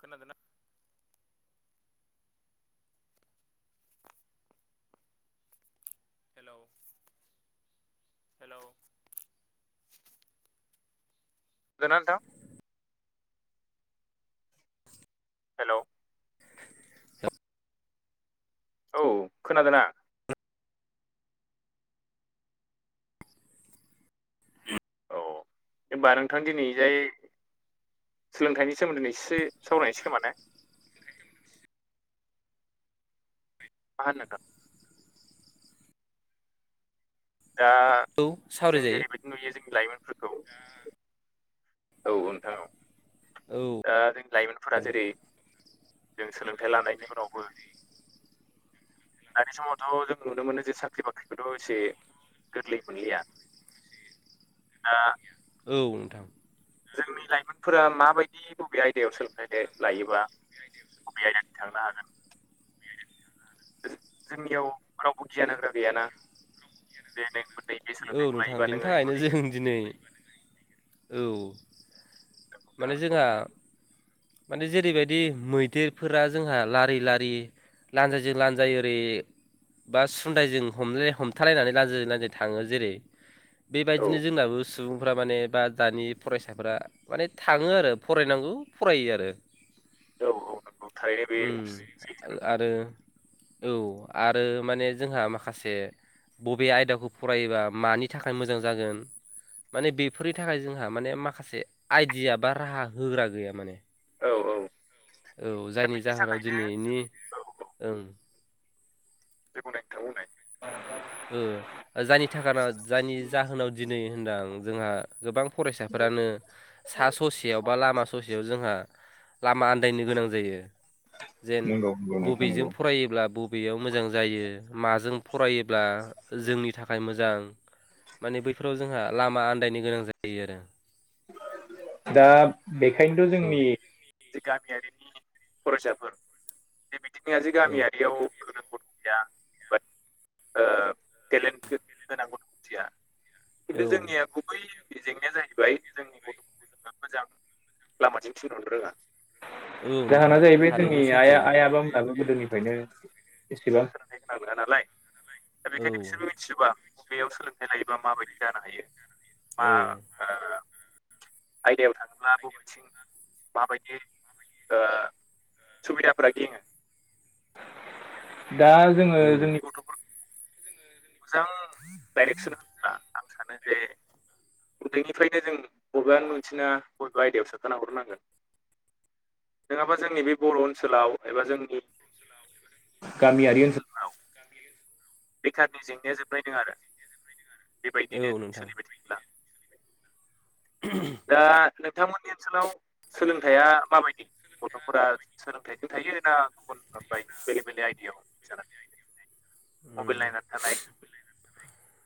खोनादों ना? Hello hello नगोना नंथां? हेल'। [unintelligible] औ खोनादोना? औ होनबा नोंथां दिनै जाय सोलोंथाइनि सोमोन्दै नैसिसो सावरानोसै खोमा ने [unintelligible] दा औ जों सावरायजायो जेरैबायदि नुयो जोंनि लाइमोनफोरखौ औ नोंथां औ। औ। दा जों लाइमोनफोरा जेरै जों सोलोंथाइ लानायनिउनावबो दानि समावथ' जों नुनो मोनो जे साख्रि बाख्रिखौथ' एसे गोरलै मोनलिया दा औ नोंथां। जोंनि लाइमोनफोरा माबायदि बबे आयदायाव सोलोंथाइ लायोबा बबे आयदानि थांनो हागोन। जोंनियाव रावबो गियान होग्रा गैयाना दे नोंमोनै [unintelligible] औ नोंथां बेनि थाखायनो जों दिनै औ माने जोंहा माने जेरैबायदि मैदेरफोरा जोंहा लारि लारि लानजायजों लानजाय ओरै बा सुन्दायजों हमलाय हमथालायनानै लानजाय जो लानजाय थाङो जेरै बेबायदिनो मोनहैगोन जोंनाबो सुबुंफ्रा माने बा दानि फरायसाफोरा माने थाङो आरो फरायनांगौ फरायो आरो नंथारनांगौ औ औ नंगौ थारैनो बे ओम सैथो नोंथां आरो औ आरो माने जोंहा माखासे बबे आयदाखौ फरायोबा मानि थाखाय मोजां जागोन माने बेफोरनि थाखाय जोंहा माने माखासे आइडिया बा राहा होग्रा गैया माने। औ औ औ दा जायनि बेनि जाहोनाव थाखायनो औ दिनैनि औ ओं [unintelligible] नोंथां बुंनाय ओ जायनि थाखायना जायनि जाहोनाव दिनै होनदां जोंहा गोबां फरायसाफोरानो सा ससेयाव बा लामा ससेयाव जोंहा लामा आन्दायनो गोनां जायो। जेन नंगौ नंगौ नोंथां बबेजों नंगौ फरायोब्ला बबेयाव मोजां जायो माजों फरायो ब्ला जोंनि थाखाय मोजां माने बैफोराव जोंहा लामा आन्दायनो गोनां जायो आरो। दा बेखायनोथ' जोंनि जे गामियारिनि फरायसाफोर बे बिदिनोया जे औ गामियारियाव गोरों गथ' गैया बाट ओ टेलेन्ट गोनां गथ' सासेया [unintelligible] खिन्थु औ जोंनिया गुबै जेंनाया जाहैबाय जोंनि गथ'फोरखौ जोङो मोजां लामाजों थिनहरनो रोङा औ [unintelligible] नोंथां जाहोना जाहैबाय जोंनि थारैनो आइ सैथो आइ आबामोनहाबो गोदोनिफ्रायनो बेसेबां गोरों गोरा नोङा दा बेखायनो औ बिसोरबो सोरबा बेयाव सोलोंथाइ लायोबा माबायदि जानो हायो औ मा ओ आयदायाव थाङोब्ला बबेथिं माबायदि ओ सुबिदाफोरा गेङो दा जोङो औ जोंनि गथ' मोजां डाइरेक्सन होनोब्ला आं सानो जे उन्दैनिफ्रायनो जों बबेबा मोनसे नङा बबेबा आयदायाव सोथारना हरखानांगोन। नङाबा जोंनि बे बर' ओनसोलाव एबा जोंनि गामियारि ओनसोल बेखारनि जेंनाया जोबनाय नङा आरो औ बेबायदिनो जुदि नोंथां सोलिबाय थायोब्ला। [inaudible] दा नोंथांमोननि ओनसोलाव सोलोंथाइया माबायदि गथ'फोरा सोलोंथाइजों थायो ना गुबुन ओमफ्राय बेलेग बेलेग आयदायाव [inaudible] मबेल नायनानै थानाय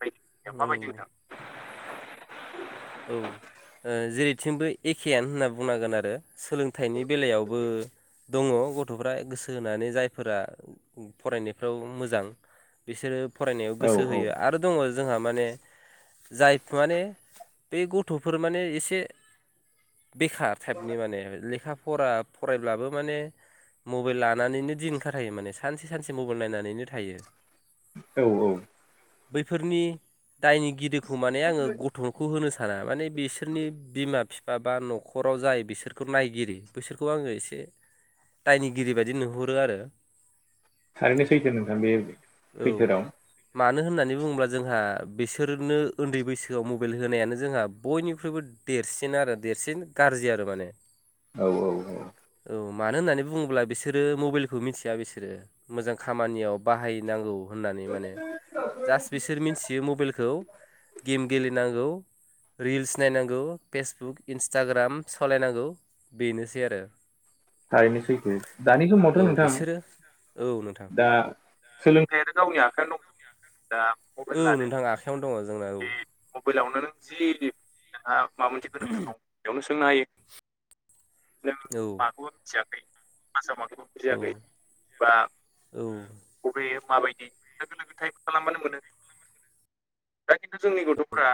बायदि [unintelligible] औ माबायदि नोंथां औ ओ जेरैथिंबो एखेयानो होनना बुंनांगोन आरो सोलोंथाइनि बेलायावबो दङ गथ'फ्रा गोसो होनानै जायफोरा फरायनायफ्राव मोजां। बिसोरो फरायनायाव औ गोसो होयो आरो दङ जोंहा माने जाय माने बे गथ'फोर माने एसे बेखार टाइपनि माने लेखा फरा फरायब्लाबो माने मबेल लानानैनो दिन खाथायो माने सानसे सानसे मबेल नायनानैनो थायो। औ औ बैफोरनि दायनिगिरिखौ माने आङो गथ'खौ होनो साना माने बिसोरनि बिमा बिफा बा नखराव जाय बिसोरखौ नायगिरि बिसोरखौ आङो एसे दायनिगिरि बायदि नुहुरो आरो। थारैनो सैथो नोंथां बे औ सैथो राव। मानो होननानै बुङोब्ला जोंहा बिसोरनो उन्दै बैसोआव मबेल होनायानो जोंहा बयनिख्रुइबो देरसिन आरो देरसिन गाज्रि आरो माने औ औ औ औ मानो होननानै बुङोब्ला बिसोरो मबाइलखौ मिथिया बिसोरो मोजां खामानियाव बाहायनांगौ होननानै माने जास्ट बिसोर मिथियो मबाइलखौ गेम गेलेनांगौ रिल्स नायनांगौ फेसबुक इन्सटाग्राम सालायनांगौ बेनोसै आरो थारैनो सैथो दानि समावथ औ नोंथां बिसोरो औ नोंथां दा सोलोंथाइ आनो गावनि आखायावनो दंजोबो दा मबाइल औ लादों नोंथां आखायावनो दङ जोंना औ बे मबाइलावनो नों जि जोंहा माबा मोनसे गोनांथि दं बेयावनो सोंनो हायो औ बेखौबो बुजियाखै क्लासा माखौ बुङो बेखौबो औ बुजियाखै बा औ बबे माबायदि लोगो लोगो टाइप खालामबानो मोनो दा खिन्थु जोंनि गथ'फोरा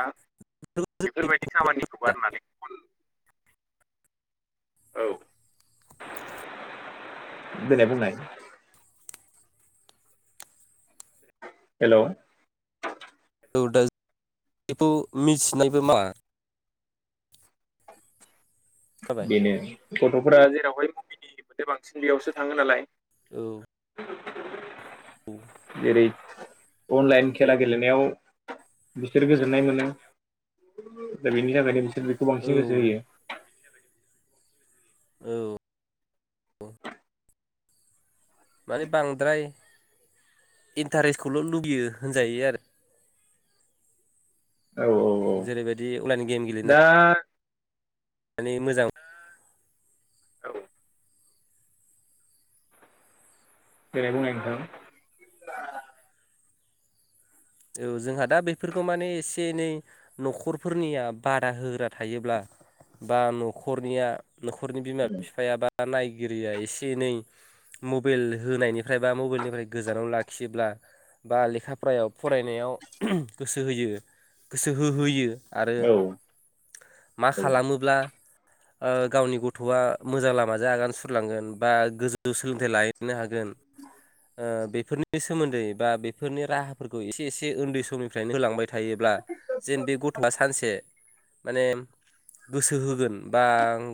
बेफोरबायदि खामानिखौ गारनानै गुबुन औ देनाय बुंनाय हेलौ औ दा बेखौ मिथिनायबो मा जाबाय बेनो गथ'फोरा जेरावहाय [unintelligible] बांसिन बेयावसो थाङो नालाय औ औ जेरै अनलाइन खेला गेलेनायाव बिसोर गोजोननाय मोनो दा बेनि बिसोर बेखौ औ बांसिन नोजोर होयो औ माने बांद्राय इन्टारेस्टखौल लुुबैयो होनजायो आरो औ औ औ जेरैबायदि अनलाइन दा माने मोजां औ देनाय बुंनाय नोंथां औ जोंहा दा बेफोरखौ माने एसे एनै न'खरफोरनिया बादा होग्रा थायोब्ला बा न'खरनिया न'खरनि बिमा बिफाया बा नायगिरिया एसे एनै मबाइल होनायनिफ्राय बा मबाइलनिफ्राय गोजानाव लाखियोब्ला बा लेखा फरायाव फरायनायाव गोसो होयो गोसो होहोयो आरो औ मा औ खालामोब्ला ओ गावनि गथ'आ मोजां लामाजों आगान सुरलांगोन बा गोजौ सोलोंथाइ लाहैनो हागोन ओ बेफोरनि सोमोन्दै बा बेफोरनि राहाफोरखौ एसे एसे उन्दै समनिफ्रायनो होलांबाय थायोब्ला जेन बे गथ'आ सानसे माने गोसो होगोन बा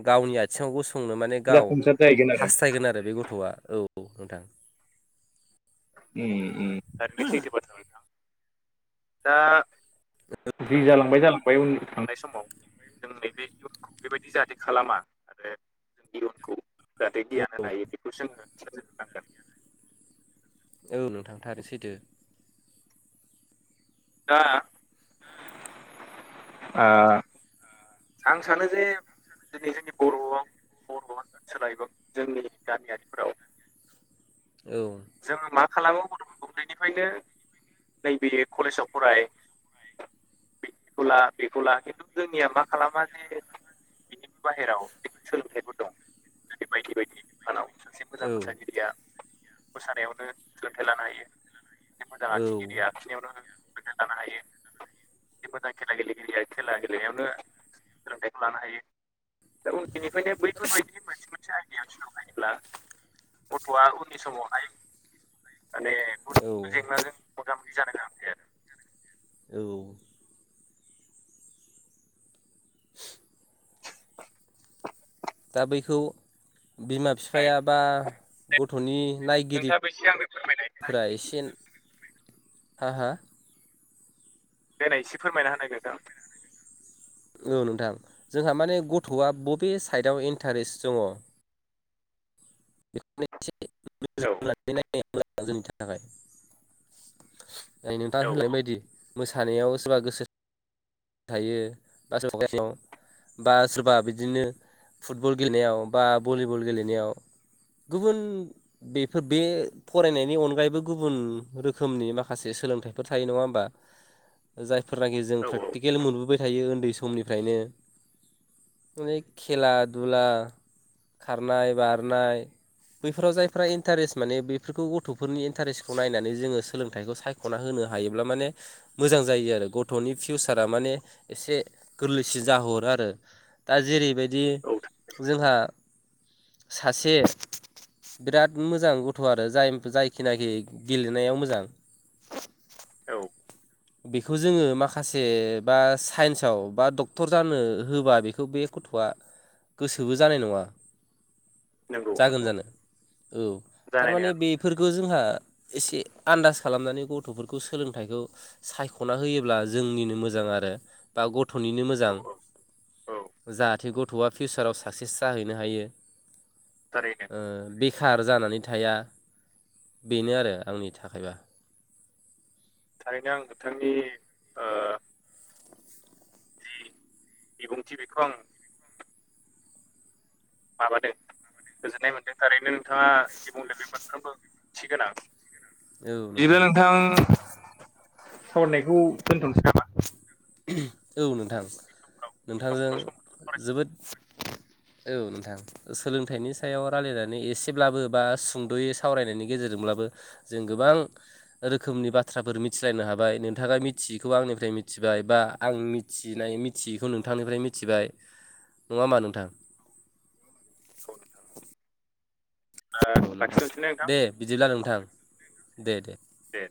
गावनि आ थिङाव गसंनो माने गाव जाफुंसार जाहैगोन आरो हास्थायगोन आरो बे गथ'आ औ नोंथां उम उम थारैनो सैथो बाथ्रा बे नोंथां दा जि जालांबाय जालांबाय उन थांनाय समाव जों नै बे इयुनखौ बेबायदि जाहाथे खालामा आरो जों इयुनखौ जाहाथे गियान होन हायो बेखौ जोङो [unintelligible] औ नोंथां थारैनो सैथो दा आ आं सानो जे दिनै जोंनि बर'आव बर'आ ओनसोल एबा जोंनि गामियारिफोराव [inaudible] औ जोङो मा खालामो बर' उन्दैनिफ्रायनो नैबे कलेजाव फराय बिखौ ला बेखौ ला खिन्थु जोंनिया मा खालामा जे बिनिबो बाहेरायाव सोलोंथाइफोर दं जेरै बायदि बायदि बिफानाव सासे मोजां औ मोसागिरिया मोसानायावनो सोलोंथाइ लानो हायो मोजां औ ओंथिंगिरिया लाखिनायावनो गोथ [unintelligible] लानो हायो मोजां खेला गेलेगिरिेया खेला गेलेनायावनो सोलोंथाइखौ लानो हायो दा उन्दैनिफ्रायनो बैफोरबायदि मोनसे मोनसे आइडाया सोलोंथायलायोब्ला गथ'आ उननि समावहाय माने [unintelligible] गुबुन औ गुबुन जेंनाजों मोगा मोगि जानो गोनां जायो आरो। [unintelligible] औ दा बैखौ बिमा बिफाया बा गथ'नि आरो नोंथाङाबो एसे आंनो फोरमायनाय नायगिरिफोरा एसे हा हा देनाय एसे फोरमायना होनाय नोंथां औ नोंथां जोंहा माने गथ'आ बबे साइडआव इन्टारेस्ट दङ [unintelligible] बेखोनो एसे नोजोर औ होनानै नायनाया मोजां जोंनि थाखाय नै नोंथां औ होनलांनाय बायदि मोसानायाव सोरबा गोसो थायो बा [unintelligible] बा सोरबा बिदिनो फुटबल गेलेनायाव बा भलिबल गेलेनायाव गुबुन बेफोर बे फरायनायनि अनगायैबो गुबुन रोखोमनि माखासे सोलोंथाइफोर थायो नङा होमबा। [inaudible] जायफोरनाखि जों औ प्रेकटिकेल मोनबोबाय थायो उन्दै समनिफ्रायनो माने खेला दुला खारनाय बारनाय बैफोराव जायफ्रा इन्टारेस्ट माने बेफोरखौ गथ'फोरनि इन्टारेस्टखौ नायनानै जोङो सोलोंथाइखौ सायख सायख'ना होनो हायोब्ला माने मोजां जायो आरो गथ'नि फिउसारा माने एसे गोरलैसिन जाहोरो आरो दा जेरैबायदि औ बिदि जोंहा सासे बिराद मोजां गथ' आरो जाय जायखिनाखि गेलेनायाव मोजां औ बेखौ जोङो माखासे बा साइन्सआव बा डक्टर जानो होबा बेखौ बे गथ'आ गोसोबो जानाय नङा नंगौ जागोन नंगौ जानो औ जानाय थारमाने नङा बे फोरखौ जोंहा एसे आन्दास खालामनानै गथ'फोरखौ सोलोंथाइखौ सायख'ना होयोब्ला जोंनिनो मोजां आरो बा गथ'निनो मोजां औ औ औ जाहाथे गथ'आ फिउसाराव साक्सेस जाहैनो हायो थारैनो बेखार जानानै थाया बेनो आरो आंनि थाखायबा। थारैनो आं नोंथांनि ओ जि बिबुंथि बेखौ आं माबादों गोजोननाय मोन्दों थारैनो नोंथाङा जि बुंदों बे मोनफ्रोमबो ओंथिगोनां बिदिब्ला नोंथां सावरायनायखौ दोनथ'नोसै नामा औ नोंथां उननि समफोराव उननि नोंथांजों समफोराव सम मोनोबा जोबोद सावरायफिनसै औ नोंथां सोलोंथाइनि सायाव रायलायनानै एसेब्लाबो बा सुंद'यै सावरायनायनि गेजेरजोंब्लाबो जों गोबां रोखोमनि बाथ्राफोर मिथिलायनो हाबाय नोंथाङा मिथियैखौ आंनिफ्राय मिथिबाय बा आं मिथिनाय मिथियैखौ नोंथांनिफ्राय मिथिबाय नङा होमबा नोंथां ओ नोंथां [unintelligible] नोंथां लाखिथ'नोसैना नोंथां दे बिदिब्ला नोंथां दे दे [unintelligible] दे